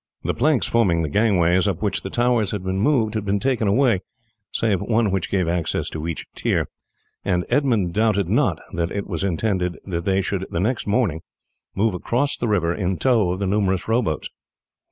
The planks forming the gangways up which the towers had been moved had been taken away, save one which gave access to each tier, and Edmund doubted not that it was intended that they should the next morning move across the river in tow of the numerous row boats.